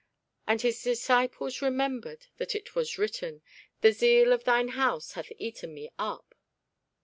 And his disciples remembered that it was written, The zeal of thine house hath eaten me up.